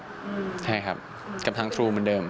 ใช่ครับกับทางทรูเหมือนเดิม